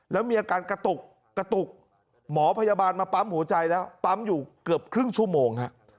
แล้วมีอาการกระตุกกระตุกหมอพยาบาลมาปั๊มหัวใจแล้วปั๊มอยู่เกือบครึ่งชั่วโมงฮะ